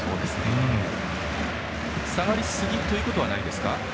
下がりすぎということはないですか？